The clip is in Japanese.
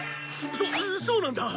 そそうなんだ。